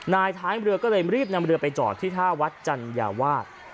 ท้ายเรือก็เลยรีบนำเรือไปจอดที่ท่าวัดจัญญาวาส